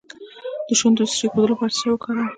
د شونډو د سره کیدو لپاره باید څه شی وکاروم؟